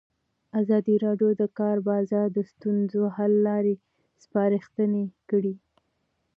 ازادي راډیو د د کار بازار د ستونزو حل لارې سپارښتنې کړي.